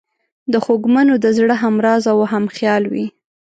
د خوږمنو د زړه همراز او همخیال وي.